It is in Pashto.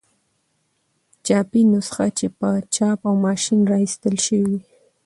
چاپي نسخه چي په چاپ او ما شين را ایستله سوې يي.